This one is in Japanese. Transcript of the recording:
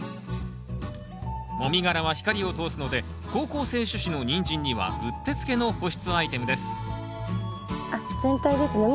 もみ殻は光を通すので好光性種子のニンジンにはうってつけの保湿アイテムですあっ全体ですね。